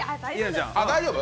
大丈夫？